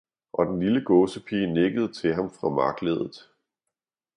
Og den lille gåsepige nikkede til ham fra markleddet.